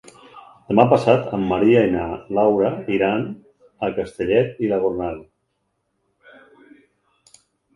Demà passat en Maria i na Laura iran a Castellet i la Gornal.